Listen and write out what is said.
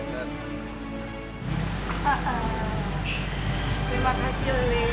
terima kasih lele